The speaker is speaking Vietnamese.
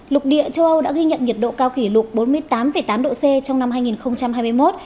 lục địa châu âu đã ghi nhận nhiệt độ cao kỷ lục bốn mươi tám tám độ c trong năm hai nghìn hai mươi một